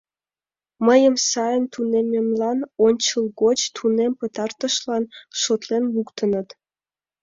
Мыйым сайын тунеммемлан ончылгоч тунем пытарышылан шотлен луктыныт.